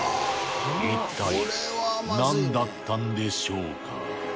一体なんだったんでしょうか。